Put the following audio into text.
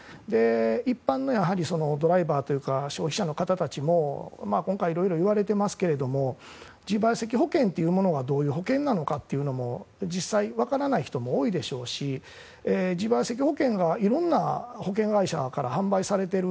一般のドライバーというか消費者の方たちも今回、いろいろいわれていますが自賠責保険というものがどういう保険なのかというのも実際、分からない人も多いでしょうし自賠責保険がいろんな保険会社から販売されている。